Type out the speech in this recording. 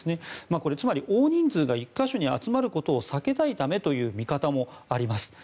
これ、つまり大人数が１か所に集まることを避けたいためという見方もあります。